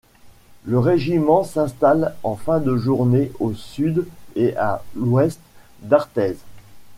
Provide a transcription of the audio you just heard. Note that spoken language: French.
Le régiment s’installe en fin de journée au sud et à l’ouest d’Artaise.